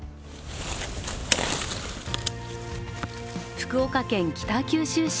福岡県北九州市。